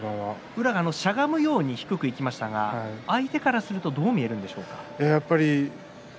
宇良がしゃがむように低くいきましたが相手からするとどう見えるんでしょうか？